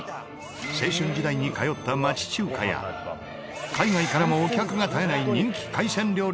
青春時代に通った町中華や海外からもお客が絶えない人気海鮮料理店も